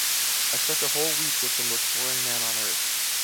I spent a whole week with the most boring man on Earth.